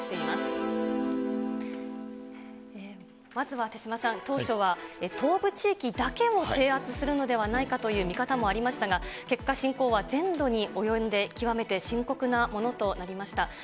まずは手嶋さん、当初は東部地域だけを制圧するのではないかという見方もありましたが、結果、侵攻は全土に及んで、極めて深刻なものとなりました。